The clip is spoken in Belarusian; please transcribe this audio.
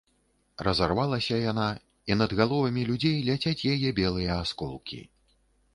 Разарвалася яна, і над галовамі людзей ляцяць яе белыя асколкі.